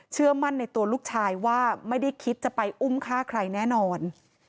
เชื่อมั่นในตัวลูกชายว่าไม่ได้คิดจะไปอุ้มฆ่าใครแน่นอน